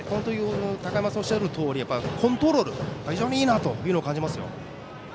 高山さんのおっしゃるとおりコントロールが非常にいいなと感じますよ。